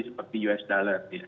seperti us dollar ya